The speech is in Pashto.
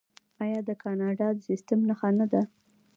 آیا دا د کاناډا د سیستم نښه نه ده؟